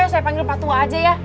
saya panggil pak tua aja ya